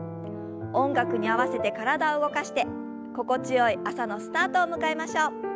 音楽に合わせて体を動かして心地よい朝のスタートを迎えましょう。